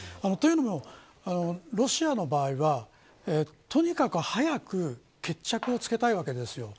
というのもロシアの場合はとにかく早く決着をつけたいわけです。